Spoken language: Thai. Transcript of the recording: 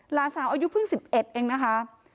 หลานสาวอายุเพิ่ง๑๑เองนะคะ